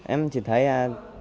em chỉ thấy là